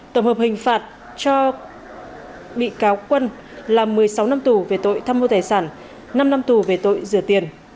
tổng hợp hình phạt cho bị cáo quân là một mươi sáu năm tù về tội tham mô tài sản năm năm tù về tội rửa tiền